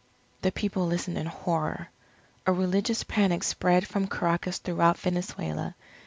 The people listened in horror. A religious panic spread from Caracas throughout Venezuela.